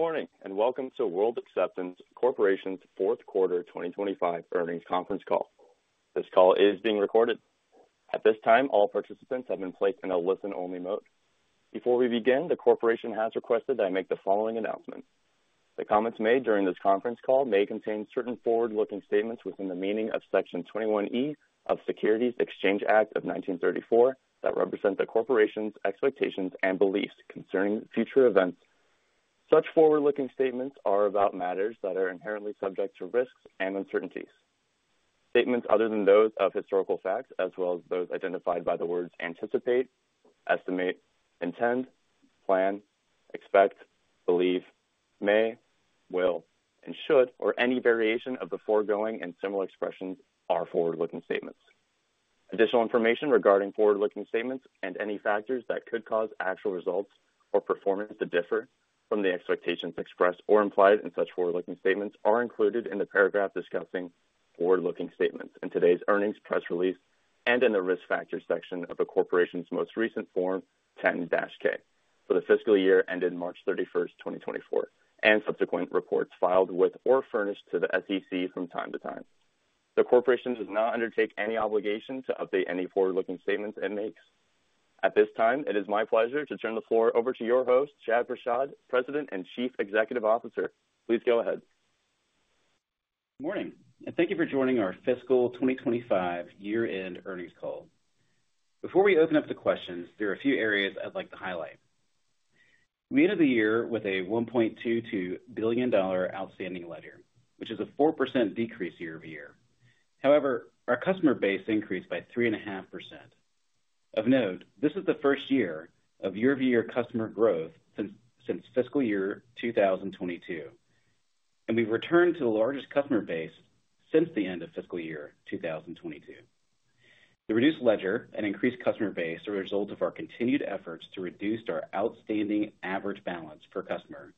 Good morning and welcome to World Acceptance Corporation's Fourth Quarter 2025 earnings conference call. This call is being recorded. At this time, all participants have been placed in a listen-only mode. Before we begin, the corporation has requested that I make the following announcement. The comments made during this conference call may contain certain forward-looking statements within the meaning of Section 21E of Securities Exchange Act of 1934 that represent the corporation's expectations and beliefs concerning future events. Such forward-looking statements are about matters that are inherently subject to risks and uncertainties. Statements other than those of historical facts, as well as those identified by the words anticipate, estimate, intend, plan, expect, believe, may, will, and should, or any variation of the foregoing and similar expressions, are forward-looking statements. Additional information regarding forward-looking statements and any factors that could cause actual results or performance to differ from the expectations expressed or implied in such forward-looking statements are included in the paragraph discussing forward-looking statements in today's earnings press release and in the risk factor section of the corporation's most recent Form 10-K for the fiscal year ended March 31, 2024, and subsequent reports filed with or furnished to the SEC from time to time. The corporation does not undertake any obligation to update any forward-looking statements it makes. At this time, it is my pleasure to turn the floor over to your host, Chad Prashad, President and Chief Executive Officer. Please go ahead. Good morning, and thank you for joining our fiscal 2025 year-end earnings call. Before we open up to questions, there are a few areas I'd like to highlight. We ended the year with a $1.22 billion outstanding ledger, which is a 4% decrease year-over-year. However, our customer base increased by 3.5%. Of note, this is the first year of year-over-year customer growth since fiscal year 2022, and we've returned to the largest customer base since the end of fiscal year 2022. The reduced ledger and increased customer base are the result of our continued efforts to reduce our outstanding average balance per customer,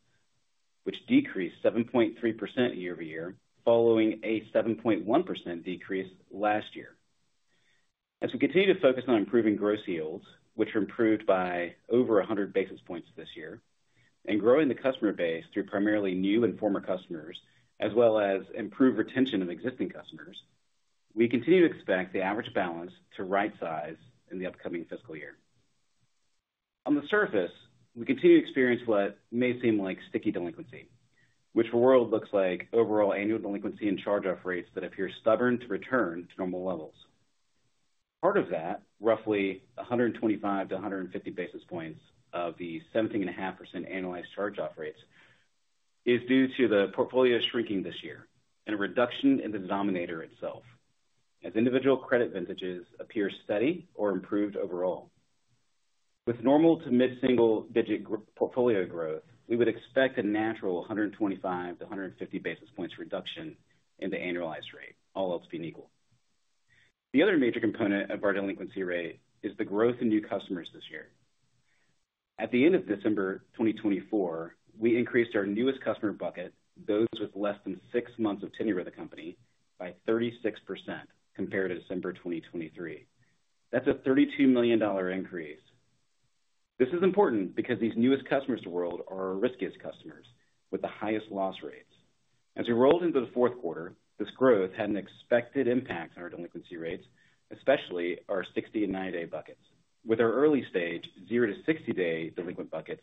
which decreased 7.3% year-over-year following a 7.1% decrease last year. As we continue to focus on improving gross yields, which are improved by over 100 basis points this year, and growing the customer base through primarily new and former customers, as well as improved retention of existing customers, we continue to expect the average balance to right-size in the upcoming fiscal year. On the surface, we continue to experience what may seem like sticky delinquency, which for World looks like overall annual delinquency and charge-off rates that appear stubborn to return to normal levels. Part of that, roughly 125-150 basis points of the 17.5% annualized charge-off rates, is due to the portfolio shrinking this year and a reduction in the denominator itself, as individual credit vintages appear steady or improved overall. With normal to mid-single-digit portfolio growth, we would expect a natural 125-150 basis points reduction in the annualized rate, all else being equal. The other major component of our delinquency rate is the growth in new customers this year. At the end of December 2024, we increased our newest customer bucket, those with less than six months of tenure with the company, by 36% compared to December 2023. That's a $32 million increase. This is important because these newest customers to World are our riskiest customers with the highest loss rates. As we rolled into the fourth quarter, this growth had an expected impact on our delinquency rates, especially our 60 and 90-day buckets. With our early-stage 0 to 60-day delinquent buckets,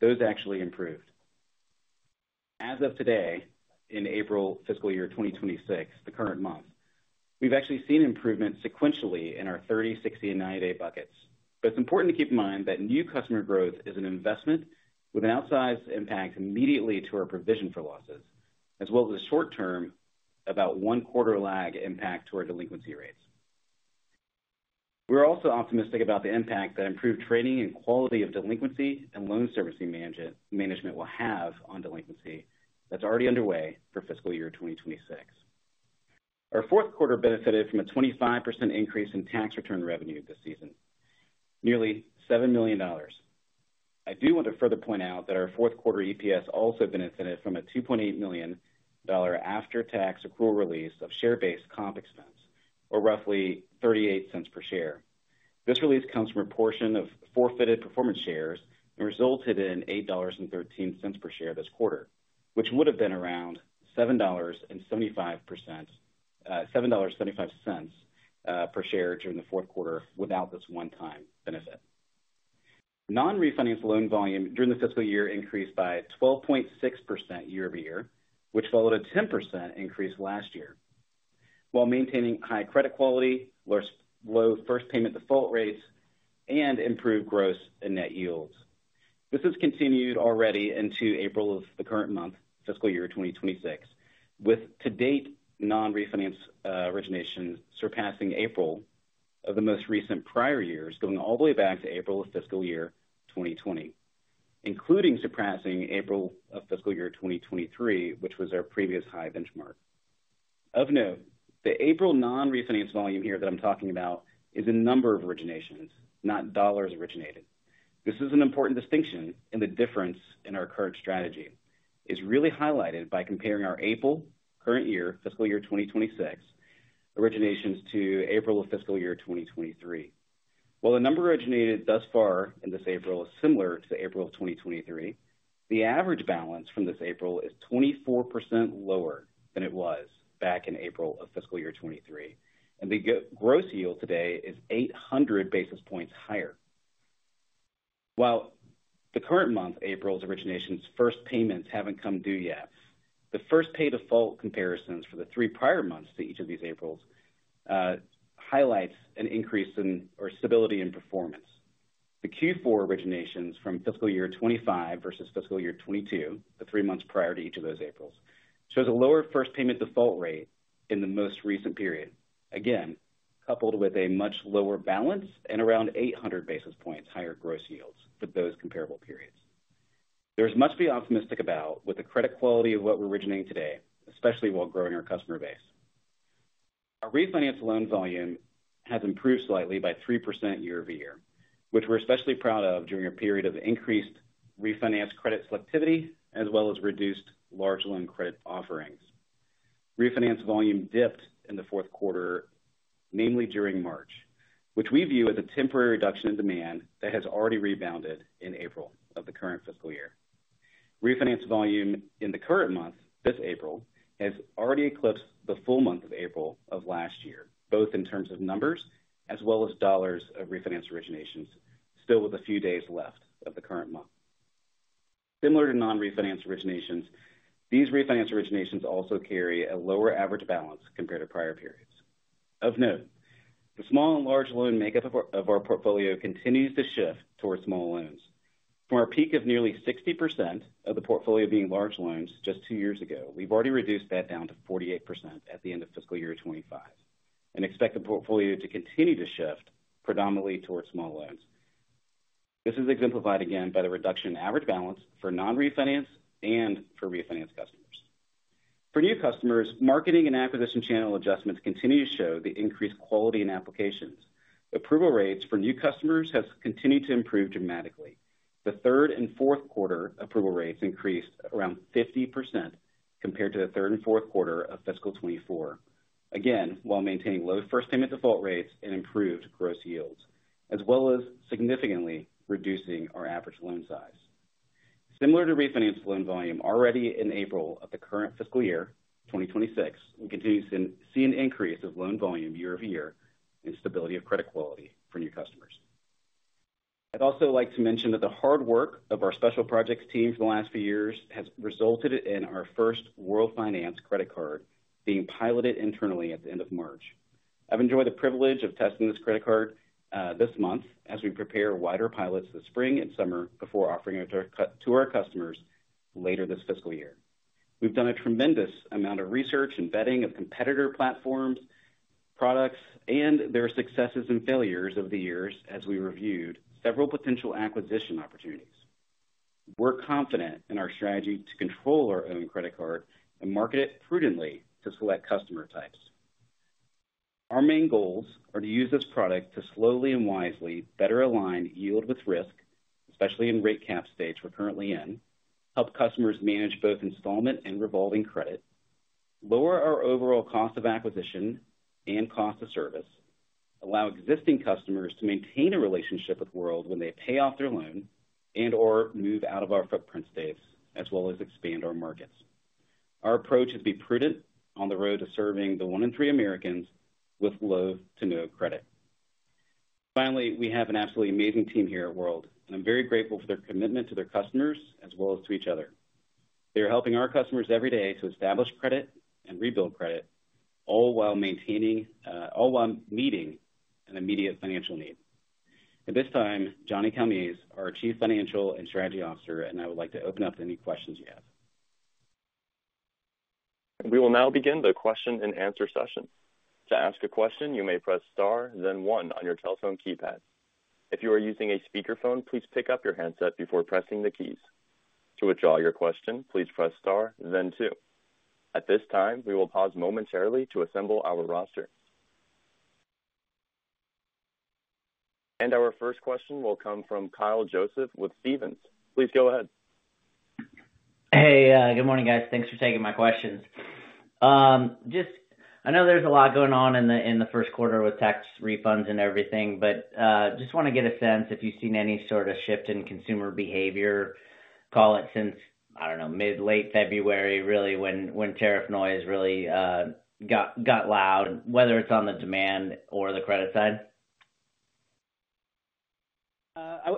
those actually improved. As of today, in April, fiscal year 2026, the current month, we've actually seen improvement sequentially in our 30, 60, and 90-day buckets. It is important to keep in mind that new customer growth is an investment with an outsized impact immediately to our provision for losses, as well as a short-term, about one-quarter lag impact to our delinquency rates. We are also optimistic about the impact that improved training and quality of delinquency and loan servicing management will have on delinquency that is already underway for fiscal year 2026. Our fourth quarter benefited from a 25% increase in tax return revenue this season, nearly $7 million. I do want to further point out that our fourth quarter EPS also benefited from a $2.8 million after-tax accrual release of share-based comp expense, or roughly $0.38 per share. This release comes from a portion of forfeited performance shares and resulted in $8.13 per share this quarter, which would have been around $7.75 per share during the fourth quarter without this one-time benefit. Non-refinanced loan volume during the fiscal year increased by 12.6% year-over-year, which followed a 10% increase last year, while maintaining high credit quality, low first payment default rates, and improved gross and net yields. This has continued already into April of the current month, fiscal year 2026, with to-date non-refinance origination surpassing April of the most recent prior years going all the way back to April of fiscal year 2020, including surpassing April of fiscal year 2023, which was our previous high benchmark. Of note, the April non-refinance volume here that I'm talking about is in number of originations, not dollars originated. This is an important distinction in the difference in our current strategy. It's really highlighted by comparing our April current year, fiscal year 2026, originations to April of fiscal year 2023. While the number originated thus far in this April is similar to April of 2023, the average balance from this April is 24% lower than it was back in April of fiscal year 2023, and the gross yield today is 800 basis points higher. While the current month, Aprils originations, first payments haven't come due yet, the first pay default comparisons for the three prior months to each of these Aprils highlights an increase in or stability in performance. The Q4 originations from fiscal year 2025 versus fiscal year 2022, the three months prior to each of those Aprils, shows a lower first payment default rate in the most recent period, again, coupled with a much lower balance and around 800 basis points higher gross yields for those comparable periods. There is much to be optimistic about with the credit quality of what we're originating today, especially while growing our customer base. Our refinance loan volume has improved slightly by 3% year-over-year, which we're especially proud of during a period of increased refinance credit selectivity, as well as reduced large loan credit offerings. Refinance volume dipped in the fourth quarter, namely during March, which we view as a temporary reduction in demand that has already rebounded in April of the current fiscal year. Refinance volume in the current month, this April, has already eclipsed the full month of April of last year, both in terms of numbers as well as dollars of refinance originations, still with a few days left of the current month. Similar to non-refinance originations, these refinance originations also carry a lower average balance compared to prior periods. Of note, the small and large loan makeup of our portfolio continues to shift towards small loans. From our peak of nearly 60% of the portfolio being large loans just two years ago, we've already reduced that down to 48% at the end of fiscal year 2025, and expect the portfolio to continue to shift predominantly towards small loans. This is exemplified again by the reduction in average balance for non-refinance and for refinance customers. For new customers, marketing and acquisition channel adjustments continue to show the increased quality and applications. Approval rates for new customers have continued to improve dramatically. The third and fourth quarter approval rates increased around 50% compared to the third and fourth quarter of fiscal 2024, again, while maintaining low first payment default rates and improved gross yields, as well as significantly reducing our average loan size. Similar to refinance loan volume already in April of the current fiscal year 2026, we continue to see an increase of loan volume year-over-year and stability of credit quality for new customers. I'd also like to mention that the hard work of our special projects team for the last few years has resulted in our first World Finance credit card being piloted internally at the end of March. I've enjoyed the privilege of testing this credit card this month as we prepare wider pilots this spring and summer before offering it to our customers later this fiscal year. We've done a tremendous amount of research and vetting of competitor platforms, products, and their successes and failures over the years as we reviewed several potential acquisition opportunities. We're confident in our strategy to control our own credit card and market it prudently to select customer types. Our main goals are to use this product to slowly and wisely better align yield with risk, especially in the rate cap stage we are currently in, help customers manage both installment and revolving credit, lower our overall cost of acquisition and cost of service, allow existing customers to maintain a relationship with World when they pay off their loan and/or move out of our footprint space, as well as expand our markets. Our approach is to be prudent on the road to serving the one in three Americans with low to no credit. Finally, we have an absolutely amazing team here at World, and I'm very grateful for their commitment to their customers as well as to each other. They are helping our customers every day to establish credit and rebuild credit, all while meeting an immediate financial need. At this time, John Calmes, our Chief Financial and Strategy Officer, and I would like to open up to any questions you have. We will now begin the question and answer session. To ask a question, you may press star, then one on your telephone keypad. If you are using a speakerphone, please pick up your handset before pressing the keys. To withdraw your question, please press star, then two. At this time, we will pause momentarily to assemble our roster. Our first question will come from Kyle Joseph with Stephens. Please go ahead. Hey, good morning, guys. Thanks for taking my questions. Just I know there's a lot going on in the first quarter with tax refunds and everything, but just want to get a sense if you've seen any sort of shift in consumer behavior, call it since, I don't know, mid-late February, really, when tariff noise really got loud, whether it's on the demand or the credit side.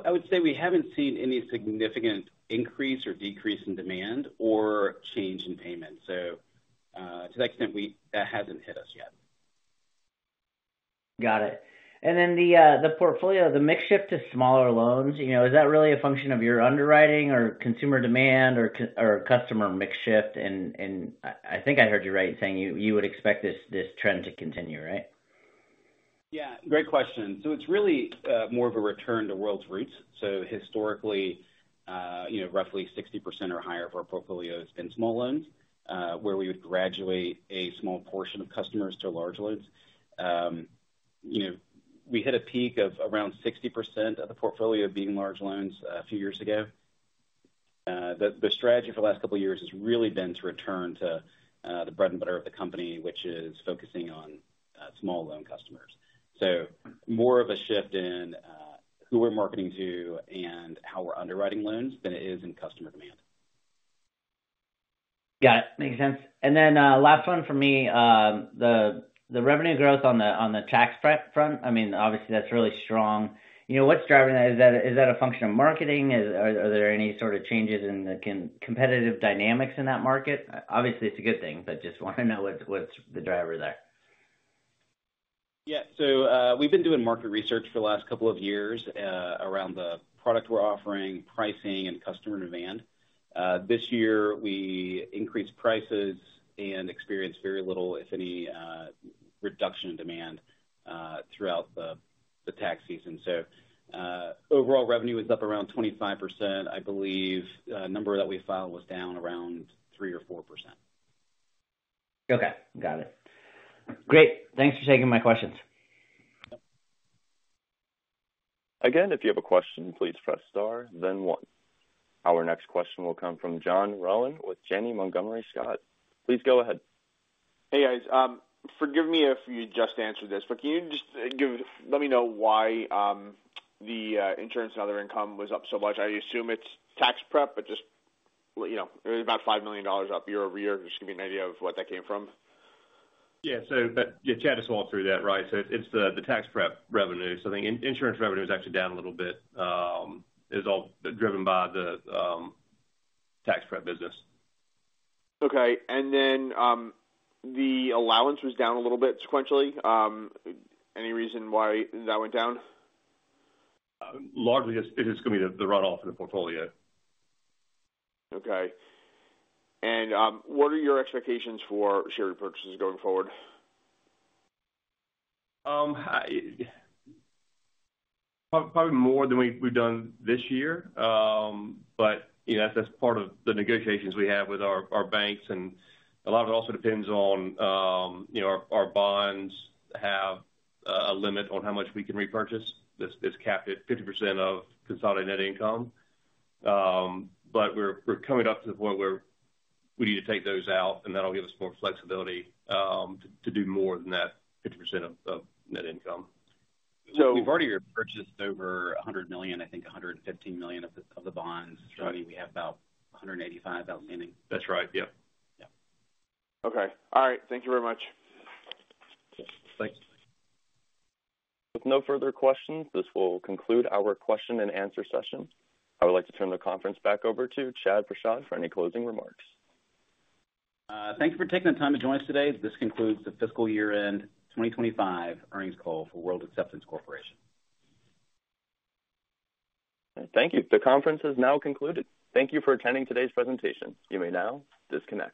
I would say we haven't seen any significant increase or decrease in demand or change in payment. To that extent, that hasn't hit us yet. Got it. The portfolio, the mix shift to smaller loans, is that really a function of your underwriting or consumer demand or customer mix shift? I think I heard you right in saying you would expect this trend to continue, right? Yeah, great question. It is really more of a return to World's roots. Historically, roughly 60% or higher of our portfolio has been small loans, where we would graduate a small portion of customers to large loans. We hit a peak of around 60% of the portfolio being large loans a few years ago. The strategy for the last couple of years has really been to return to the bread and butter of the company, which is focusing on small loan customers. It is more of a shift in who we are marketing to and how we are underwriting loans than it is in customer demand. Got it. Makes sense. Last one for me, the revenue growth on the tax front, I mean, obviously, that's really strong. What's driving that? Is that a function of marketing? Are there any sort of changes in the competitive dynamics in that market? Obviously, it's a good thing, but just want to know what's the driver there. Yeah. So we've been doing market research for the last couple of years around the product we're offering, pricing, and customer demand. This year, we increased prices and experienced very little, if any, reduction in demand throughout the tax season. Overall revenue was up around 25%. I believe the number that we filed was down around 3% or 4%. Okay. Got it. Great. Thanks for taking my questions. Again, if you have a question, please press star, then one. Our next question will come from John Rowan with Janney Montgomery Scott. Please go ahead. Hey, guys. Forgive me if you just answered this, but can you just let me know why the insurance and other income was up so much? I assume it's tax prep, but just about $5 million up year-over-year, just to give you an idea of what that came from. Yeah. Chad just walked through that, right? It is the tax prep revenue. I think insurance revenue is actually down a little bit. It was all driven by the tax prep business. Okay. The allowance was down a little bit sequentially. Any reason why that went down? Largely, it's going to be the runoff of the portfolio. Okay. What are your expectations for share repurchases going forward? Probably more than we've done this year, but that's part of the negotiations we have with our banks. A lot of it also depends on our bonds have a limit on how much we can repurchase. It's capped at 50% of consolidated net income. We're coming up to the point where we need to take those out, and that'll give us more flexibility to do more than that 50% of net income. We've already repurchased over $100 million, I think $115 million of the bonds. I mean, we have about $185 million. That's right. Yeah. Yeah. Okay. All right. Thank you very much. Thanks. With no further questions, this will conclude our question and answer session. I would like to turn the conference back over to Chad Prashad for any closing remarks. Thank you for taking the time to join us today. This concludes the fiscal year-end 2025 earnings call for World Acceptance Corporation. Thank you. The conference has now concluded. Thank you for attending today's presentation. You may now disconnect.